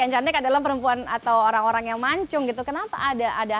yang cantik adalah perempuan atau orang orang yang mancung gitu kenapa ada hal hal seperti itu